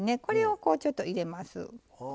これをこうちょっと入れます。